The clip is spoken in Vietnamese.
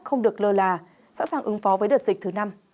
không được lơ là sẵn sàng ứng phó với đợt dịch thứ năm